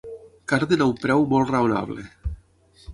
Carden a un preu molt raonable.